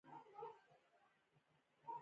دوی یوازې له دې پیسو څخه ګټه پورته کوي